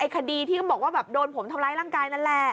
คดีที่ก็บอกว่าแบบโดนผมทำร้ายร่างกายนั่นแหละ